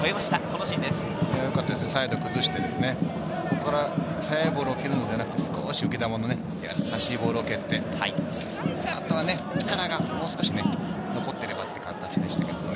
サイドを崩して、そこから速いボールを蹴るのではなく、少し浮き球の優しいボールを蹴って、あとは力がもう少しね、残っていればという形でしたけどね。